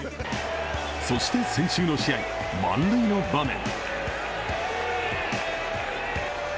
そして先週の試合満塁の場面。